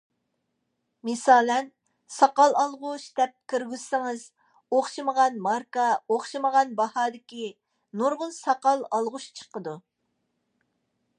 مىسالەن،‹‹ ساقال ئالغۇچ›› دەپ كىرگۈزسىڭىز ئوخشىمىغان ماركا، ئوخشىمىغان باھادىكى نۇرغۇن ساقال ئالغۇچ چىقىدۇ.